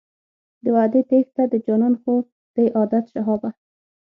د وعدې تېښته د جانان خو دی عادت شهابه.